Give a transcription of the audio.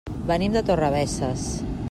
Venim de Torrebesses.